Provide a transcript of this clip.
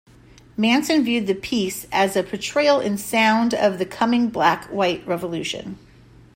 Manson viewed the piece as a portrayal in sound of the coming black-white revolution.